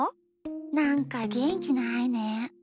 なんかげんきないねえ。